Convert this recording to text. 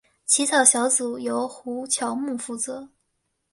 起草小组由胡乔木负责。